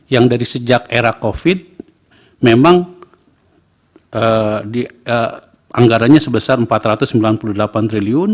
yang dari sejak era covid memang anggarannya sebesar rp empat ratus sembilan puluh delapan triliun